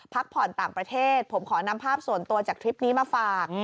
พักผ่อนต่างประเทศผมขอนำภาพส่วนตัวจากคลิปนี้มาฝาก